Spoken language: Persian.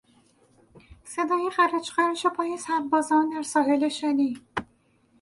صدای قرچ قرچ پای سربازان در ساحل شنی